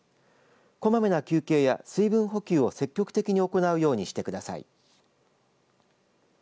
こまめな休憩や水分補給を積極的に行うようにしてください。